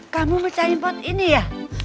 kamu mecahi pot ini ya